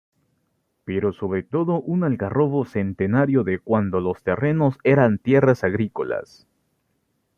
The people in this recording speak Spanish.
Pero sobre todo un algarrobo centenario de cuando los terrenos eran tierras agrícolas.